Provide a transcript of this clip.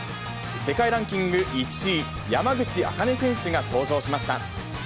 世界ランキング１位、山口茜選手が登場しました。